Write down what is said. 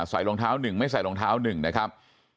ใส่รองเท้าหนึ่งไม่ใส่รองเท้าหนึ่งนะครับ